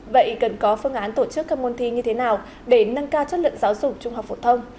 vậy cần có phương án tổ chức các môn thi như thế nào để nâng cao chất lượng giáo dục trung học phổ thông